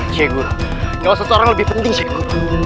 cikgu kau seorang lebih penting cikgu